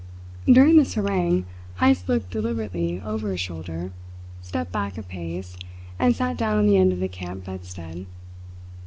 During this harangue Heyst looked deliberately over his shoulder, stepped back a pace, and sat down on the end of the camp bedstead.